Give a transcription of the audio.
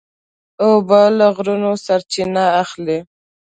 اوبه له غرونو سرچینه اخلي.